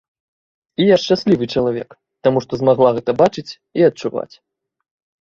І я шчаслівы чалавек, таму што змагла гэта бачыць і адчуваць.